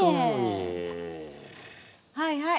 はいはい。